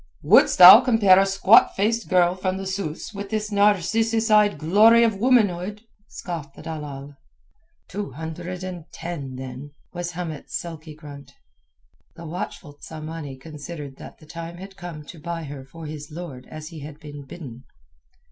"Wouldst thou compare a squat faced girl from the Sus with this narcissus eyed glory of womanhood?" scoffed the dalal. "Two hundred and ten, then," was Hamet's sulky grunt. The watchful Tsamanni considered that the time had come to buy her for his lord as he had been bidden.